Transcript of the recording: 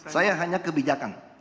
saya hanya kebijakan